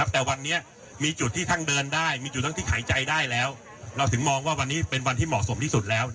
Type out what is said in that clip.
แต่วันนี้มีจุดที่ทั้งเดินได้มีจุดทั้งที่หายใจได้แล้วเราถึงมองว่าวันนี้เป็นวันที่เหมาะสมที่สุดแล้ว